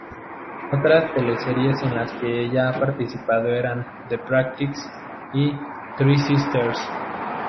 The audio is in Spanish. Otras teleseries en las que ella ha participado eran "The Practice" y "Three Sisters".